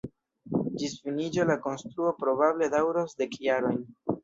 Ĝis finiĝo la konstruo probable daŭros dek jarojn.